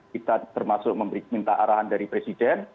kita termasuk minta arahan dari presiden